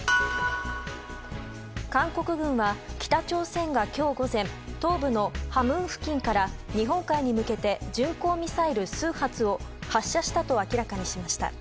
韓国軍は北朝鮮が今日午前東部のハムン付近から日本海に向けて巡航ミサイル数発を発射したと明らかにしました。